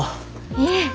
いえ。